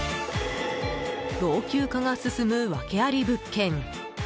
老朽化が進むワケあり物件。